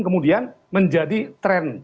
kemudian menjadi tren